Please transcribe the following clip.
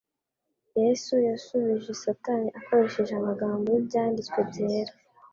Yesu yasubije Satani akoresheje amagambo y'Ibyanditswe byera.